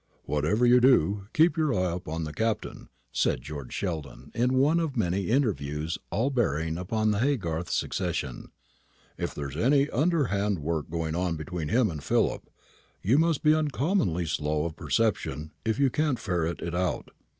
"Whatever you do, keep your eye upon the Captain," said George Sheldon, in one of many interviews, all bearing upon the Haygarth succession. "If there is any underhand work going on between him and Philip, you must be uncommonly slow of perception if you can't ferret it out.